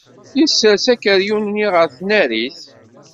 Yessers akeryun-nni ɣef tnarit.